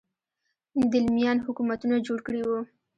دیلمیان حکومتونه جوړ کړي وو